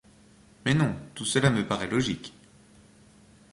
Mais non, tout cela me paraît logique.